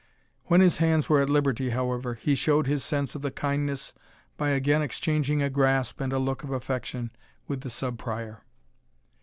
When his hands were at liberty, however, he showed his sense of the kindness by again exchanging a grasp and a look of affection with the Sub Prior.